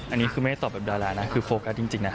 อันนี้คือไม่ได้ตอบแบบดารานะคือโฟกัสจริงนะ